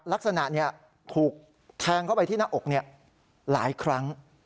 ลักษณะถูกแทงเข้าไปที่หน้าอกหลายครั้ง